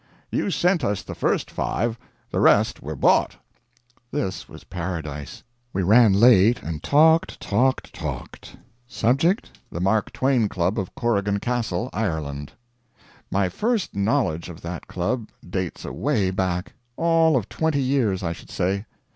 "You sent us the first five; the rest were bought." This was paradise! We ran late, and talked, talked, talked subject, the Mark Twain Club of Corrigan Castle, Ireland. My first knowledge of that Club dates away back; all of twenty years, I should say.